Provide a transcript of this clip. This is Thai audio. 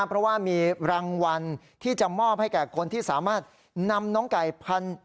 เพราะว่ามีรางวัลที่จะมอบให้แก่คนที่สามารถนำน้องไก่